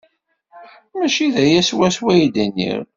Maci d aya swaswa ay d-nniɣ.